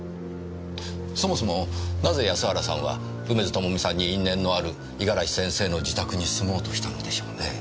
そもそもなぜ安原さんは梅津朋美さんに因縁のある五十嵐先生の自宅に住もうとしたのでしょうねぇ。